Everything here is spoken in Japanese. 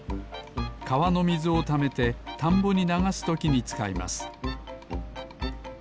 かわのみずをためてたんぼにながすときにつかいます